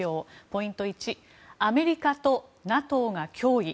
ポイント１アメリカとＮＡＴＯが脅威。